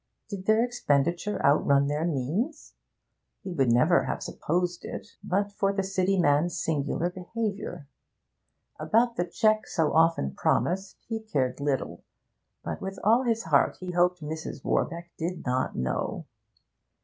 Did their expenditure outrun their means? He would never have supposed it, but for the City man's singular behaviour. About the cheque so often promised he cared little, but with all his heart he hoped Mrs. Warbeck did not know.